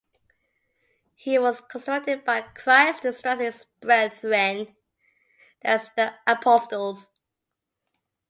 He was instructed by Christ to strengthen his brethren, that is, the apostles.